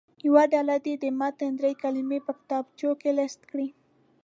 یوه ډله دې د متن دري کلمې په کتابچو کې لیست کړي.